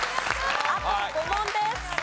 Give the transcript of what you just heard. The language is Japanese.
あと５問です。